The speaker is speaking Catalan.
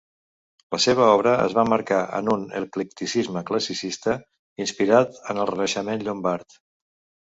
La seva obra es va emmarcar en un eclecticisme classicista inspirat en el Renaixement llombard.